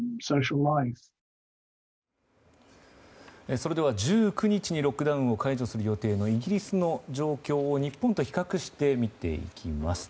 それでは１９日にロックダウンを解除する予定のイギリスの状況を日本と比較して見ていきます。